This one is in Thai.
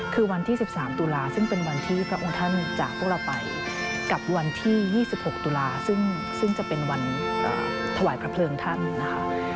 คือวันที่สิบสามตุลาคมซึ่งเป็นวันที่พระองค์ท่านจากพวกเราไปกับวันที่ยี่สิบหกตุลาคมซึ่งซึ่งจะเป็นวันอ่าถวายพระเพลิงท่านนะคะ